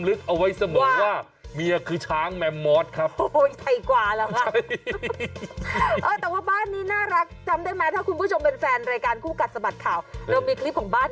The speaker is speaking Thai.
อยู่ว่าจะมามีปัญหากับฉัน